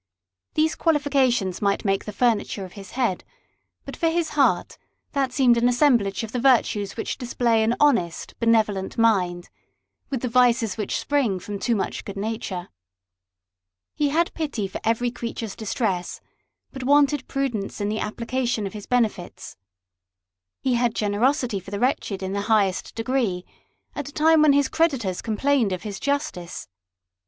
These qualifications might make the furniture of his head ; but for his heart, that seemed an assemblage of the virtues which display an honest benevolent mind, with the vices which spring from too much good nature. He had pity for every creature's distress, but wanted pru dence in the application of his benefits. He had generosity for the wretched in the highest degree, at a time when his creditors complaimed of his justice.